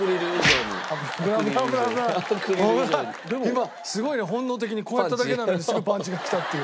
今すごいね本能的にこうやっただけなのにすぐパンチがきたっていう。